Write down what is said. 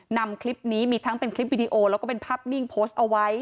นำคลิปนี้มีทั้งเป็นคลิปวิดีโอแล้วก็เป็นภาพนิ่งโพสต์เอาไว้